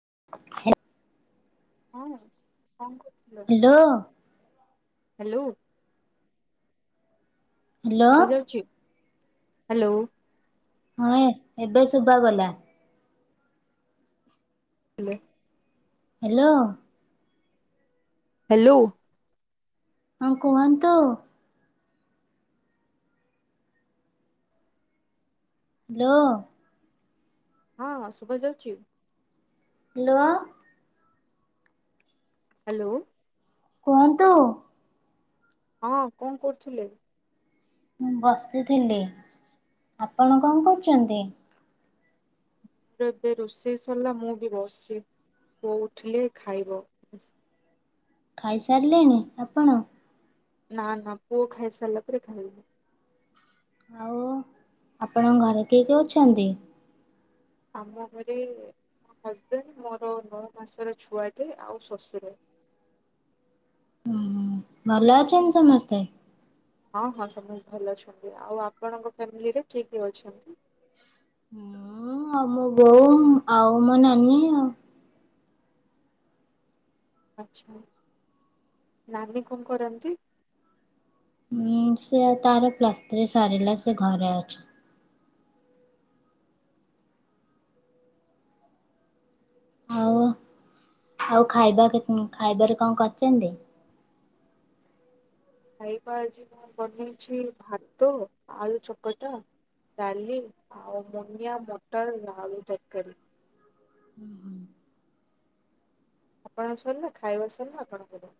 [inaudible] ହଁ କଣ କରୁଥିଲ? Hello hello. ହ୍ୟାଲୋ। ଶୁଭା ଯାଉଛି? ହ୍ୟାଲୋ। ହଁ ଏବେ ଶୁଭାଗଲା। ହ୍ୟାଲୋ। ହ୍ୟାଲୋ। ହ୍ୟାଲୋ। ହଁ କୁହନ୍ତୁ। ହ୍ୟାଲୋ। ହଁଁ ଶୁଭା ଯାଉଛି। ଲୋ ହ୍ୟାଲୋ କୁହନ୍ତୁ ହଁ କଣ କରୁଥିଲେ? ମୁଁ ବସିଥିଲି ଆପଣ କଣ କରୁଛନ୍ତି? ଏବେ ରୁସେଇ ସରିଲା ମୁଁ ବି ବସଛି। ପୁଅ ଉଠିଲେ ଖାଇବ। ଖାଇସାରିଲେଣି ଆପଣ ନା ନା ପୁଅ ଖାଇସାରିଲା ପରେ ଖାଇବି। ଆଉ ଆପଣଙ୍କ ଘରେ କିଏ କିଏ ଅଛନ୍ତି? ଆମ ଘରେ ମୋ ହଜବେଣ୍ଡ ମୋର ନଅ ମାସର ଛୁଆଟେ ଆଉ ଶଶୁର। [inaudible] ହଁ ଭଲ ଅଛନ୍ତି ସମସ୍ତେ? ହଁ ହଁ ସମସ୍ତେ ଭଲ ଅଛନ୍ତି ଆଉ ଆପଣଙ୍କ ଫ୍ୟାମିଲିରେ କିଏ କିଏ ଅଛନ୍ତି? ମୁଁ ଆଉ ମୋ ବୋଉ ଆଉ ମୋ ନାନୀ ଆଉ। ଆଛା ନାନୀ କଣ କରନ୍ତି? ଉଁ ସେ ତାର ପ୍ଲସ ଥ୍ରୀ ସାରିଲା ସେ ଘରେ ଅଛି। ହଉ ଆଉ ଖାଇବା କେତେ ଖାଇବାରେ କଣ କରିଚନ୍ତି ଖାଇବା ଆଜି ମୁଁ ବନେଇଛି ଭାତ ଆଳୁ ଚକଟା ଡାଲି ଆଉ ମୋନିଆ ମଟର ଆଳୁ ତରକାରି ଆପଣଙ୍କ ସରିଲା ଖାଇବା ସିରିଲା ଆପଣଙ୍କର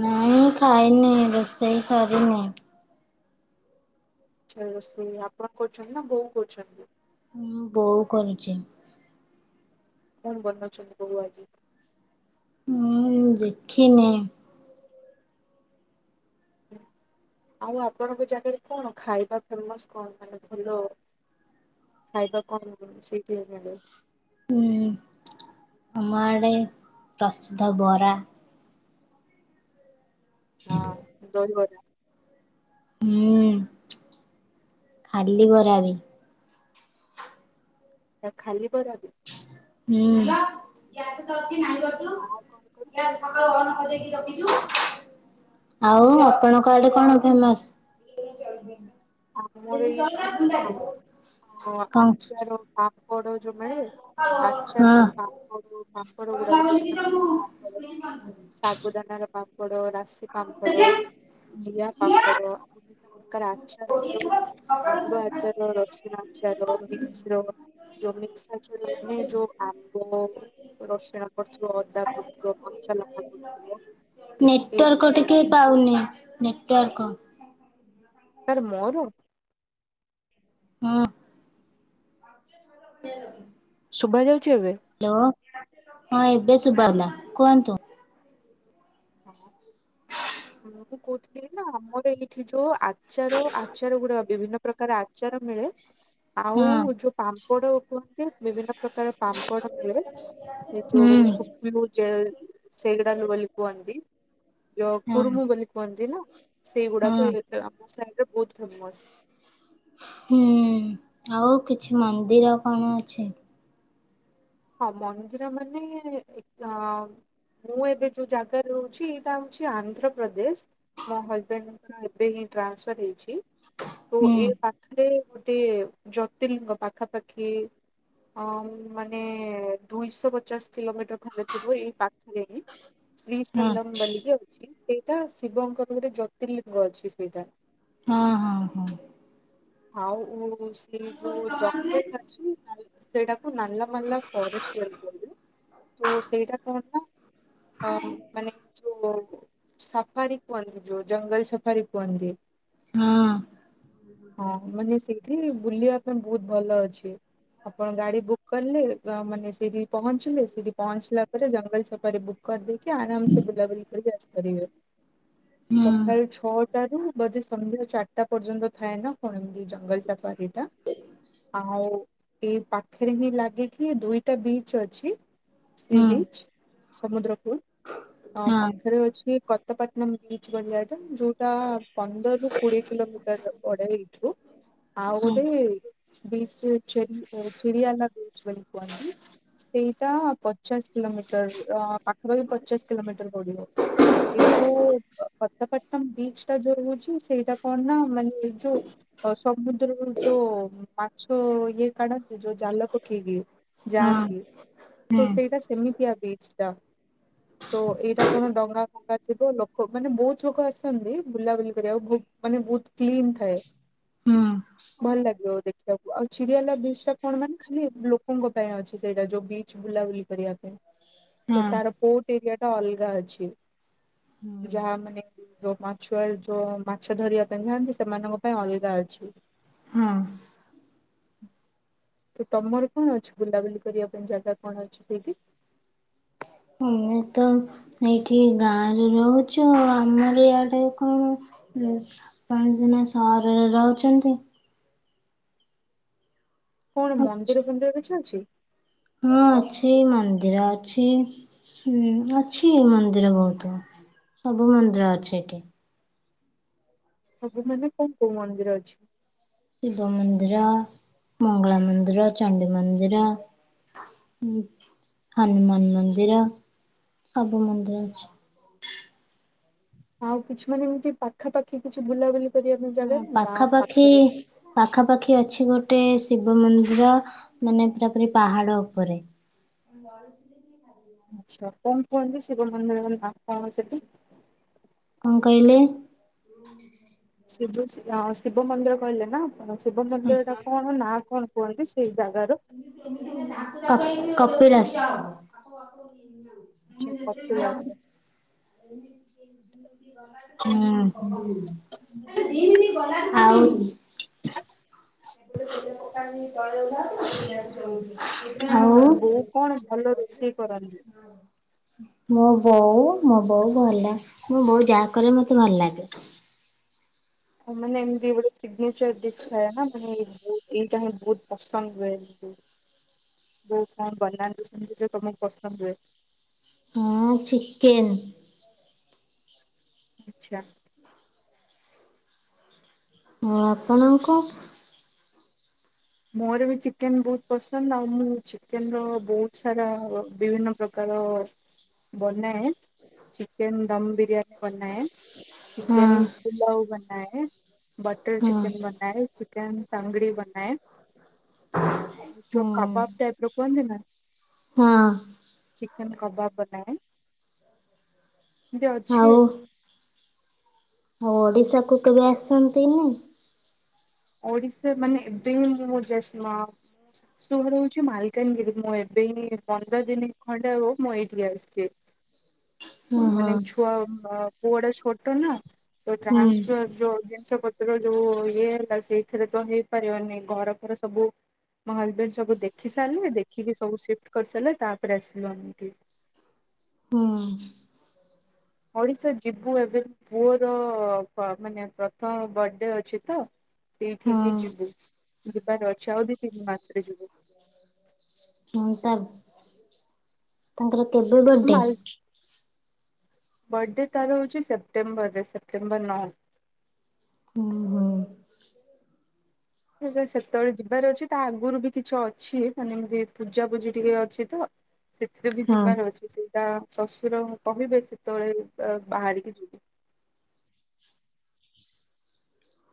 ନାଇଁ ଖାଇନି ରୋଷେଇ ସରିନି। ଆଛା ରୋଷେଇ ଆପଣ କରୁଛନ୍ତି ନା ବୋଉ କରୁଛନ୍ତି ହୁଁ ବୋଉ କରୁଚି। କଣ ବନଉଛନ୍ତି ବୋଉ ଆଜି ହୁଁ ଦେଖିନି ହ ଆଉ ଆପଣଙ୍କ ଜାଗାରେ କଣ ଖାଇବା ଫେମସ କଣ ମାନେ ଭଲ ଖାଇବା କଣ ସେଇଠି ମିଳେ। ଉଁ ଆମ ଆଡେ ପ୍ରସିଦ୍ଧ ବରା। ହଁ ଦହିବରା। ହୁଁ ଖାଲି ବରା ବି। ତ ଖାଲି ବରା ବି। ହୁଁ [unintelligible] ରଖିଛୁ ଆଉ କଣ କହିଲ [unintelligible] ଆଉ ଆପଣଙ୍କ ଆଡେ କଣ ଫେମସ? ଆମର ଏଇଠି ନା କଣ? ଆଚାର ପା ପାମ୍ପଡ ଯୋଉ ମିଳେ। ଆଚାର ହଁ ପାମ୍ପଡ ପାମ୍ପଡ ଗୁଡାକ [unintelligible] ସାଗୁଦାନାର ପାମ୍ପ ଡ ରାଶି ପାମ୍ପଡ ଲିଆ ପାମ୍ପଡ ବିଭିନ୍ନ ପ୍ରକାର ଆଚାର ଯୋଉ ଆମ୍ବ ଆଚାର ରସୁଣ ଆଚାର ମିକ୍ସ୍ର ଯୋଉ ମିକ୍ସ ମାନେ ଯୋଉ ଆମ୍ବ ରସୁଣ ପଡ଼ିଥିବ ଅଦା ପଡିଥିବ ନେଟୱାର୍କ ଏଇଗୁଡା ଟିକେ ପାଉନି ନେଟୱାର୍କ କାର ମୋର ହଁ [unintelligible] ଶୁଭା ଯାଉଛି ଏବେ? ହ୍ୟାଲୋ ହଁ ଏବେ ଶୁଭା ଗଲା କୁହନ୍ତୁ। ହ ହ ମୁଁ କହୁଥିଲି ନା ଆମର ଏଇଠି ଯୋଉଁ ଆଗ ଆଚାର ଆଚାର ଗୁଡା ବିଭିନ୍ନ ପ୍ରକାର ଆଚାର ମିଳେ। ଆଉ ହଁ ଯୋଉଁ ପା ପାପଡ କୁହନ୍ତି। ବିଭିନ୍ନ ପ୍ରକାର ପାମ୍ପଡ଼ ମିଳେ। ଏ ଯୋଉଁ ହୁଁ ସୁଖୁ ଜଲ ସେଗୁଡ଼ାକ ଲିପନ୍ତି। ଯୋଉଁ ହଁ କୁରୁମୁ ବୋଲି କୁହନ୍ତି ନା ହଁ। ସେଇଗୁଡାକ ଆମ ସାଇଡରେ ବହୁତ ଫେମସ। ହୁଁ ଆଉ କିଛି ମନ୍ଦିର କଣ ଅଛି? ହଁ ମନ୍ଦିର ମାନେ ମୁଁ ଏବେ ଯୋଉଁ ଜାଗାରେ ରହୁଛି ଏଇଟା ହଉଛି ଆନ୍ଧ୍ରପ୍ରଦେଶ। ମୋ ହଜବେଣ୍ଡଙ୍କର ଏବେ ହିଁ ଟ୍ରାନ୍ସଫର୍ ହେଇଛି। ତ ହୁଁ ଏଇ ପାଖରେ ଗୋଟେ ଜ୍ୟୋତିଲିଙ୍ଗ ପାଖା ପାଖି ହଁ ମାନେ ଦୁଇଶହ ପଚାଶ କିଲୋମିଟର ଖଣ୍ଡେ ଥିବ ଏଇ ପାଖରେ ହିଁ। ଶ୍ରୀ ହଁ ଶୈଲମ ବଲିକି ଅଛି ସେଇଟା ଶିବଙ୍କର ଗୋଟେ ଜ୍ୟୋତିର୍ଲିଙ୍ଗ ଅଛି ସେଇଟା। ହଁ ହଁ ହଁ। ଆଉ ସେ ଯୋଉଁ ଜଙ୍ଗଲ ଅଛି ସେଇଟା ନାଲା ମାଲା ଫରେଷ୍ଟ ମଲ ତ ସେଇଟା କଣ ନା ମାନେ ଯୋଉଁ ସଫାରି କୁହନ୍ତି ଯଉଁ ଜଙ୍ଗଲ ସଫାରି କୁହନ୍ତି। ହଁ। ହଁ ମାନେ ସେଇଠି ବୁଲିବା ପାଇଁ ବହୁତ ଭଲ ଅଛି। ଆପଣ ଗାଡି ବୁକ୍ କଲେ ମାନେ ସେଇଠି ପହଞ୍ଚିଲେ ସେଇଠି ପହଞ୍ଚିଲା ପରେ ଜଙ୍ଗଲ ସଫାରୀ ବୁକ୍ ସେଠି ଆରାମ ସେ ବୁଲାବୁଲି କରି ଆସିପାରିବେ। ହଁ ସକାଳୁ ଛଅଟା ରୁ ବୋଧେ ସନ୍ଧ୍ୟା ଚାରିଟା ପର୍ଯ୍ୟନ୍ତ ଥାଏ ନା। କଣ ଜଙ୍ଗଲ ସଫାରୀ ଟା ଆଉ ଏ ପାଖରେ ହିଁ ଲା ଦେଖି ଦୁଇଟା ବିଚ୍ ଅଛି। ହୁଁ ହୁଁ ସି-ବିଚ ସମୁଦ୍ର କୁ ହଁ ପାଖରେ ଅଛି। କତପାଟନମ ବିଚ ପଡିଆ ଯୋଉଁଟା ପନ୍ଦରରୁୁ କୋଡ଼ିଏ କିଲୋ ପଡ଼େ ଏଇଠୁ [unintelligible] ଆଉ ହଁ ଗୋଟେ [unintelligible] ଚିରିଆଲା ବ୍ରୀଚ ବୋଲି କହନ୍ତି। ସେଇଟା ପଚାଶ କିଲୋମିଟର ପାଖପାଖି ପଚାଶ କିଲୋମିଟର ପଡିବ। ବିଗ ଯୋଉଁ ପତପାଟନମ ବିଚ ଟା ଯୋଉଁ ହଉଛି ସେଇଟା କଣ ନା ମାନେ ଯୋଉଁ ଅ ସମୁଦ୍ରରୁ ଯୋଉଁ ମାଛ ଇଏ କାଢନ୍ତି ଯୋଉଁ ଜାଲ ପକେଇକି। ହଁ ଯାନ୍ତି ହୁଁ ତ ସେଇଟା ସେମିତିଆ ବିଚ ଟା। ତ ଏଇଟା କଣ ଡଙ୍ଗା ଫଙ୍ଗା ଥିବ ଲୋକ ମାନେ ବହୁତ ଲୋକ ଆସନ୍ତି ବୁଲାବୁଲି କରିବାକୁ ବହୁତ ମାନେ ବହୁତ କ୍ଲିନ ଥାଏ। ହଁ। ଭଲ ଲାଗିବ ଦେଖିବାକୁ। ଆଉ ଚିରିଆଲା ବିଚ ଟା କଣ ମାନେ ଖାଲି ଲୋକଙ୍କ ପାଇଁ ଅଛି। ସେଇଟା ଯୋଉଁ ବିଚ ବୁଲାବୁଲି କରିବା ପାଇଁ ତ ହଁ ତାର ପୋଟ ଏରିଆ ଟା ଅଲଗା ଅଛି। ହୁଁ ଯାହା ମାନେ ଯୋଉଁ ମାଛୁଆ ଯୋଉଁ ମାଛ ଧରିବା ପାଇଁ ଯାଆନ୍ତି ସେମାନଙ୍କ ପାଇଁ ଅଲଗା ଅଲଗା ଅଛି। ହଁ [inaudible] ତ ତମର କଣ ଅଛି ବୁଲାବୁଲି କରିବା ପାଇଁ ଜାଗା କଣ ଅଛି ସେଇଠି? ମୁ ତ ଏଇଠି ଗାଁରେ ରହୁଛୁ ଆଉ ଆମର ଇଆଡେ କଣ? ଆପଣ ସିନା ସହରରେ ରହୁଛନ୍ତି। କଣ ମନ୍ଦିର ଫନ୍ଦିର କିଛି ଅଛି? ହଁ ଅଛି ମନ୍ଦିର ଅଛି। ହୁଁ ଅଛି ମନ୍ଦିର ବହୁତ ସବୁ ମନ୍ଦିର ଅଛି ଏଠି। ସବୁ ମାନେ କୋଉଁ କୋଉଁ ମନ୍ଦିର ଅଛି? ଶିବ ମନ୍ଦିର, ମଙ୍ଗଳା ମନ୍ଦିର, ଚଡି ମନ୍ଦିର ହନୁମାନ ମନ୍ଦିର ସବୁ ମନ୍ଦିର ଅଛି। ଆଉ କିଛି ମାନେ ଏମିତି ପାଖାପାଖି କିଛି ବୁଲାବୁଲି କରିବା ପାଇଁ ଜାଗା ହଁ ନାହିଁ ଗାଁ ପାଖାପାଖି ପାଖରେ? ପାଖାପାଖି ଏ ଅଛି ଗୋଟେ ଶିବ ମନ୍ଦିର ମାନେ ପୁରା ପୁରି ପାହାଡ ଉପରେ। କରୁଥିଲେ ଯିଏ ଏଇନା। ଆଛା କଣ କୁହନ୍ତି ଶିବ ମନ୍ଦିରର ନାଁ କଣ ସେଠି। କଣ କହିଲେ? ଶିବ ହଁ ଶିବ ମନ୍ଦିର କହିଲେ ନା ଆପଣ। ଶିବ ହୁଁ। ମନ୍ଦିର ଟା କଣ ନା କଣ କୁହନ୍ତି ସେଇ ଜାଗାର? [inaudible] କପିିଳାସ। [inaudible] ଆଛା କପିଳାସ। ହୁଁ ହୁଁ। [inaudible] ଆଉ। ଏବେ ଗୋଟେ ଚ ପଟଣି ତଳେ ଉଧାର [unintelligible] ଆଉ ବୋଉ କଣ ଭଲ ରୋଷେଇ କରନ୍ତି। ମୋ ବୋଉ ମୋ ବୋଉ ଭଲ। ମୋ ବୋଉ ଯାହା କଲେ ମତେ ଭଲ ଲାଗେ। ହ ମାନେ ଏମିତି ଗୋଟେ ସିଗ୍ନେଚର ଦିଶିଥାଏନା। ମୋର ବୋହୁତ ଏଇଟା ହଁ ବହୁତ ପସନ୍ଦ ହୁଏ ଏମତି। ବୋଉ କଣ ବନାନ୍ତି ସେମତି ଯଉ ତମକୁ ପସନ୍ଦ ହୁଏ। ହଁ ଚିକେନ୍। ଆଚ୍ଛା। ଓ ଆପଣଙ୍କୁ। ମୋର ବି ଚିକେନ ବହୁତ ପସନ୍ଦ। ଆଉ ମୁଁ ଚିକେନ ର ବହୁତ ସାରା ବିଭିନ୍ନ ପ୍ରକାର ଆ ବନାଏ। ଚିକେନ ଦମ ବିରିୟାନୀ ବନାଏ। ହଁ ଚିକେନ ପୁଲାଉ ବନାଏ। ବଟର ହଁ ଚିକେନ ବନାଏ। ଚିକେନ ତନଦୁରି ବନାଏ। ଯଉ ହଁ କବାବ ଟାଇପ ର କୁହନ୍ତି ନା। ହଁ ଆଉ ଚି ଚିକେନ କବାବ ବନାଏ କେମିତି ଅଛି। ଆଉ ଓଡିଶା କୁ କେବେ ଆସନ୍ତିନି। ଆଉ ଓଡିଶା ମାନେ [unintelligible] ଶୁଣ ରହୁଛି ମାଲକାନଗିରି ମୁଁ ଏବେ ଏଇ ପନ୍ଦର ଦିନ ଖଣ୍ଡେ ହବ ମୁଁ ଏଇଠିକି ଆସିଚି। ହୁ ମାନେ ଛୁଆ ପୁଅ ଟା ଛୋଟ ନା ତ ହୁଁ ଟ୍ରାନ୍ସଫର ଯୋଉ ଜିନିଷ ପତ୍ର ଯୋଉ ଇଏ ହେଲା ସେଇଥିରେ ତ ହେଇପାରିବନି। ଘର ଫର ସବୁ ମୋ ହଜବେଣ୍ଡ ସବୁ ଦେଖି ସାରିଲେ। ଦେଖିକି ସବୁ ସିଫ୍ଟ କରିସାରିଲେ ତାପରେ ଆସିଲୁ ଆମେ ଏଠିକି। ହୁଁ। ଓଡିଶା ଯିବୁ ଏବେ ପୁଅର ମାନେ ପ୍ରଥମ ବର୍ଡେ ଅଛି ତ। ହଁ ସେଇଠିକି ଯିବୁ ଯିବାର ଅଛି। ଆଉ ଦି ତିନି ମାସରେ ଯିବୁ। ହୁଁ। ତା ତାଙ୍କର କେବେ ବାଡେ। ବର୍ଡେ ତାର ହେଉଛି ସେପ୍ଟେମ୍ବରରେ ସେପ୍ଟେମ୍ବର ନଅ। ଉଁ ହୁଁ। ସେ ସେତେବେଳେ ଯିବାର ଅଛି ତା ଆଗରୁ ବି କିଛି ଅଛି। ମାନେ ଏମିତି ପୂଜାପୂଜି ଟିକେ ଅଛି ତ। ସେଥିରେ ବି ହଁ ଯିବାର ଅଛି। ସେଇଟା ଶ୍ୱଶୁର କହିବେ ସେତେବେଳେ ବାହାରିକି ଯିବୁ।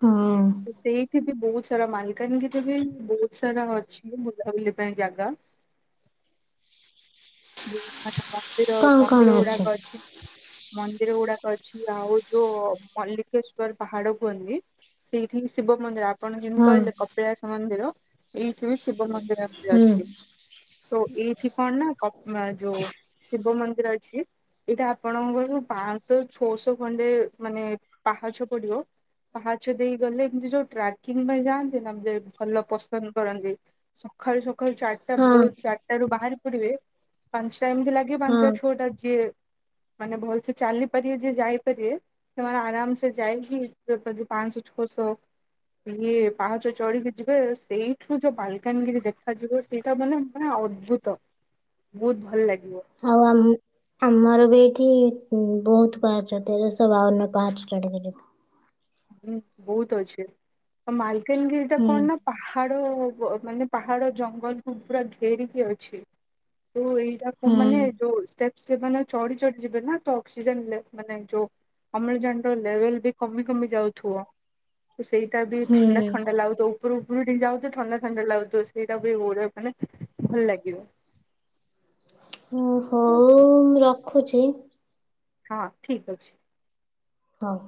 ହଁ। ସେଇଠି ବି ବହୁତ ସାରା ମାଲକାନାଗିରିରେ ବି ବହୁତ ସାରା ଅଛି ବୁଲାବୁଲି ପାଇଁ ଜାଗା। [inaudible] ଯୋଉ ମାନେ ମନ୍ଦିର କଣ କଣ ମନ୍ଦିର ଗୁଡାକ ଅଛି। ମନ୍ଦିର ଗୁଡାକ ଅଛି। ଆଉ ଯୋଉ ମଲ୍ଲିକେଶ୍ଵର ପାହାଡ କୁହନ୍ତି? ସେଇଠି ଶିବ ମନ୍ଦିର ଆପଣ ଯେମିତି ହଁ କହିଲେ କପିଳାସ ମନ୍ଦିର ଏଇଠି ଶିବ ମନ୍ଦିର ବୁ ହୁଁ ଅଛି। ତ ଏଇଠି କଣ ନା ଯୋଉ ଶିବ ମନ୍ଦିର ଅଛି ଏଇଟା ଆପଣଙ୍କର ଯେଉଁ ପାଞ୍ଚଶହ ଛଅଶହ ଖଣ୍ଡେ ମାନେ ପାହାଚ ପଡିବ ପାହାଚ ଦେଇ ଗଲେ ଏମିତି ଯୋଉ ଟ୍ରାକିଂ ପାଇଁ ଯାଆନ୍ତି ନା ଭଲ ପସନ୍ଦ କରନ୍ତି। ସକାଳୁ ସକାଳୁ ଚାରିଟା ହଁ ଭୋର ଚାରିଟା ରୁ ବାହାରି ପଡିବେ ପାଞ୍ଚଟା ଏମିତି ଲାଗେ ହଁ ପାଞ୍ଚଟା ଛଅଟା ଯିଏ ମାନେ ଭଲସେ ଚାଲି ପାରିବେ ଯେ ଯାଇପାରିବେ ସେମାନେ ଆରାମ ସେ ଯାଇକି ଯେଉଁ ପାଂଶ ଛଅ ସ ଇଏ ପାହାଚ ଚଢିକି ଯିବେ ସେଇଠୁ ଯୋଉ ବାଲକାନିରି ଦେଖାଯିବ ସେଇଟା ମାନେ ମାନେ ଅଦ୍ଭୁତ ବହୁତ ଭଲ ଲାଗେ। ଆଉ ଆମର ବି ଏଠି ବହୁତ ପାହାଚ ତେରସ ବାଉନ ପାହାଚ ଚଢିକି ଯିବୁ। ହୁଁ ବହୁତ ଅଛି ଆଉ ମାଲକାନଗିରିଟା ହୁଁ କଣ ନା ପାହାଡ ମାନେ ପାହାଡ ଜଙ୍ଗଲକୁ ପୁରା ଘେରିକି ଅଛି। ତ ଏଇଟାକୁ ହୁଁ ମାନେ ଯୋଉ ସେମାନେ ଚଢି ଚଢି ଯିବେ ନା ତ ଅକ୍ସିଜେନ ମାନେ ଯୋଉ ଅମ୍ଳଜାନ ଲେଭେଲ ବି କମି କମି ଯାଉଛି। ଥୁଅ ତ ସେଇଟା ବି ଥଣ୍ଡା ହୁଁ ଥଣ୍ଡା ଲାଗୁଥିବ। ଉପରୁ ଉପରୁ ଟିକେ ଯାଉଥିବେ ଥଣ୍ଡା ଥଣ୍ଡା ଲାଗୁଥ ସେଇଟା ବି ହୋ ମାନେ ଭଲ ଲାଗିବ। ଓ ହଉ ମୁ ରଖୁଛି। ହଁ ଠିକ ଅଛି। ହଉ।